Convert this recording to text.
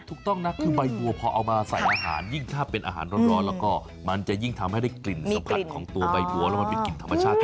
ถูกต้องนะคือใบบัวพอเอามาใส่อาหารยิ่งถ้าเป็นอาหารร้อนแล้วก็มันจะยิ่งทำให้ได้กลิ่นสัมผัสของตัวใบบัวแล้วมันมีกลิ่นธรรมชาติ